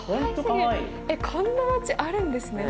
こんな街あるんですね